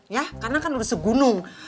ya karena kan udah segunung